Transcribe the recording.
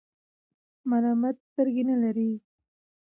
ملامت سترګي نلری .